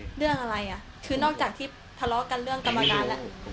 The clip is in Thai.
เรื่องอะไรอ่ะคือนอกจากที่ทะเลาะกันเรื่องกรรมการแล้ว